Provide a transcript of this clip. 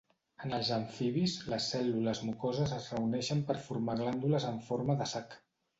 En els amfibis, les cèl·lules mucoses es reuneixen per formar glàndules en forma de sac.